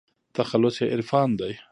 تخلص يې عرفان دى.